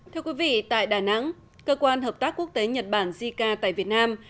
thưa quý vị tại đà nẵng cơ quan hợp tác quốc tế nhật bản jica tại việt nam